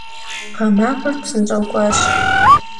Ğemaxuer psınş'eu k'uaş.